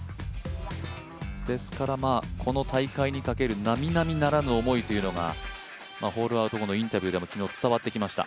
ですから、この大会にかけるなみなみならぬ思いというのがホールアウト後のインタビューでも昨日、伝わってきました。